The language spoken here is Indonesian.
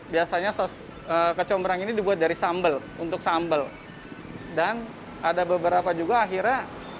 biasanya sos kecombrang ini dibuat dari sambal untuk sambal dan ada beberapa juga akhirnya